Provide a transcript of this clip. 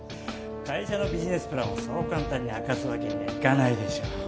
会社のビジネスプランをそう簡単に明かすわけにはいかないでしょう。